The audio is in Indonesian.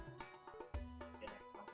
terima kasih buat teman teman yang ada di sana